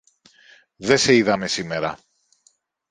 Δε σε είδαμε σήμερα.